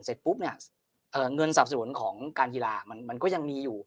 เสร็จปุ๊บเนี่ยเงินสนับสนุนของการกีฬามันก็ยังมีอยู่